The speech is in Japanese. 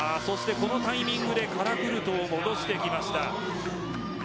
このタイミングでカラクルトを戻してきました。